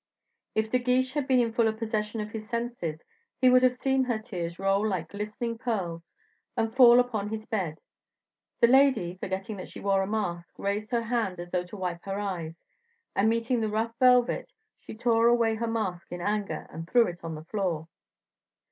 If De Guiche had been in fuller possession of his senses, he would have seen her tears roll like glistening pearls, and fall upon his bed. The lady, forgetting that she wore her mask, raised her hand as though to wipe her eyes, and meeting the rough velvet, she tore away her mask in anger, and threw it on the floor.